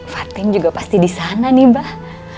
fatim juga pasti disana nih bah